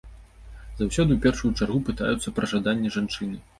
Заўсёды ў першую чаргу пытаюцца пра жаданне жанчыны.